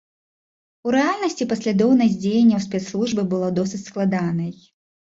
У рэальнасці паслядоўнасць дзеянняў спецслужбаў была досыць складанай.